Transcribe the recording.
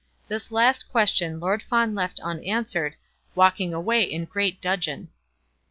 This last question Lord Fawn left unanswered, walking away in great dudgeon.